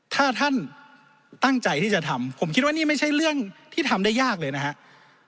ถ้าท่านตั้งใจที่จะทำผมคิดว่านี่ไม่ใช่เรื่องที่ทำได้ยากเลยนะครับ